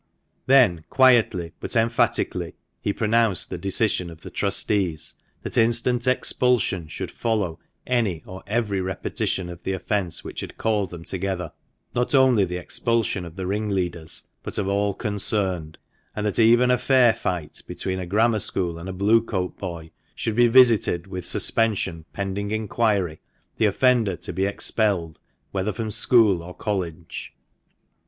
Then quietly, but emphatically, he pronounced the decision of the trustees that instant expulsion should follow any or every repetition of the offence which had called them together — not only the expulsion of the ringleaders, but of all concerned ; and that even a fair fight between a Grammar School and a Blue coat boy should be visited with suspension pending enquiry, the offender to be expelled, whether from School or College.